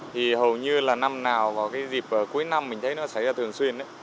thì hầu như là năm nào vào cái dịp cuối năm mình thấy nó xảy ra thường xuyên